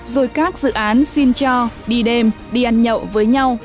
rồi các dự án xin cho đi đêm đi ăn nhậu